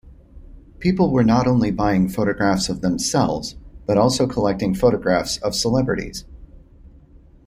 People were not only buying photographs of themselves, but also collecting photographs of celebrities.